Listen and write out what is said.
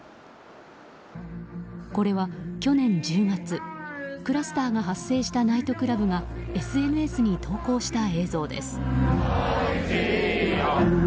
これは去年１０月クラスターが発生したナイトクラブがＳＮＳに投稿した映像です。